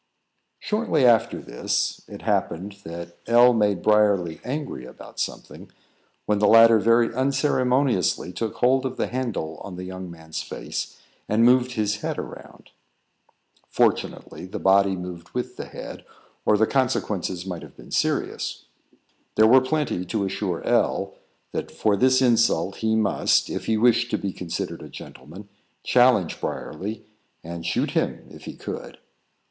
Shortly after this, it happened that L made Briarly angry about something, when the latter very unceremoniously took hold of the handle on the young man's face, and moved his head around. Fortunately, the body moved with the head, or the consequences might have been serious. There were plenty to assure L that for this insult he must, if he wished to be considered a gentleman, challenge Briarly, and shoot him if he could.